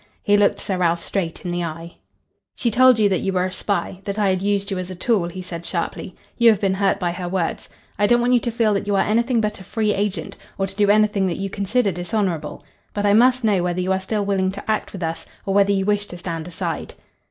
He looked Sir Ralph straight in the eye. "She told you that you were a spy that I had used you as a tool," he said sharply. "You have been hurt by her words. I don't want you to feel that you are anything but a free agent, or to do anything that you consider dishonourable. But I must know whether you are still willing to act with us, or whether you wish to stand aside."